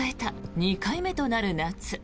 ２回目となる夏。